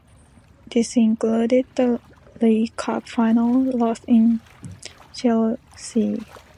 This included the League Cup final, lost to Chelsea.